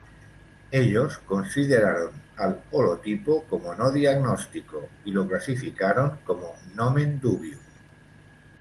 Ellos consideraron al holotipo como no diagnóstico y lo clasificaron como "nomen dubium".